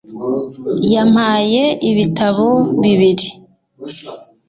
yampaye ibitabo bibiri